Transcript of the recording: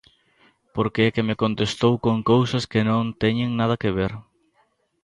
Porque é que me contestou con cousas que non teñen nada que ver.